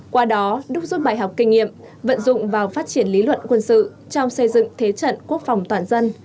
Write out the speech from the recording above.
qua đó đúc rút bài học kinh nghiệm vận dụng vào phát triển lý luận quân sự trong xây dựng thế trận quốc phòng toàn dân